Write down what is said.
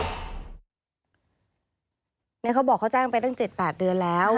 เขาบอกเขาแจ้งไปตั้ง๗๘เดือนแล้ว